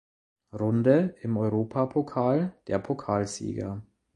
Runde im Europapokal der Pokalsieger.